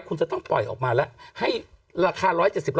คุณจะต้องปล่อยออกมาแล้วให้ราคา๑๗๐บาท